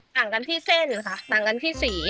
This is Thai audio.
ต่างกันที่เส้นค่ะต่างกันที่สี